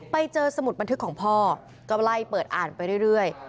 สมุดบันทึกของพ่อก็ไล่เปิดอ่านไปเรื่อย